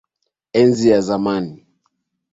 Enzi ya zamani.